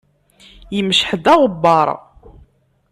Imceḥ-d aɣebbar.